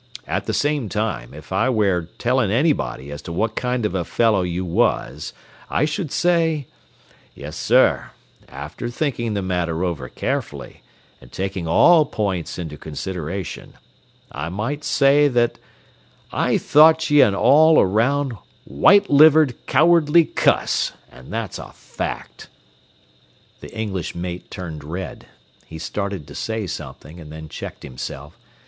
At the same time, if I ware telling anybody as to what kind of a fellow you was, I should say, yessir, after thinking the matter over carefully, and taking all points into consideration, I might say that I thought ye an all around white livered, cowardly cuss, an' that's a fact." The English mate turned red. He started to say something, and then checked himself.